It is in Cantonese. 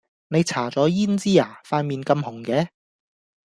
你搽左胭脂呀？塊臉咁紅嘅